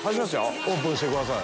オープンしてください。